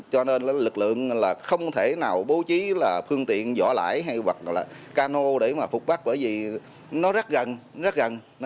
cho nên lực lượng không thể nào bố trí phương tiện vỏ lãi hay cano để phục bắt bởi vì nó rất gần